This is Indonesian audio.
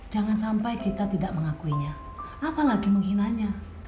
jangan sampai kita tidak mengakuinya apalagi menghinanya